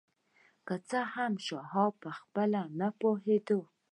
که څه هم شواب پخپله نه پوهېده.